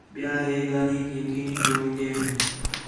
ٻِیا ہِے ڳالھیک یقینی جوڑین٘دے ہوں